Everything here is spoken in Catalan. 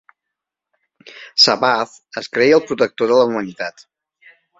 Sabbath es creia el protector de la humanitat.